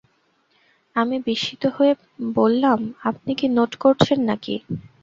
আমি বিস্মিত হয়ে বললাম, আপনি কি নোট করছেন নাকি!